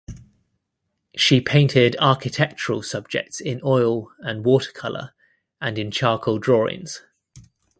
She painted architectural subjects in oil and watercolour and in charcoal drawings.